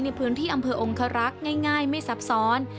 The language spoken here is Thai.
ในพื้นที่อำเภอองคารักษ์ง่ายไม่ซับซ้อน